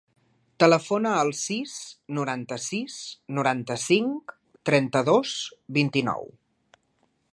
Telefona al sis, noranta-sis, noranta-cinc, trenta-dos, vint-i-nou.